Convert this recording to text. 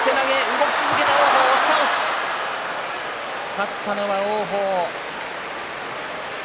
勝ったのは王鵬。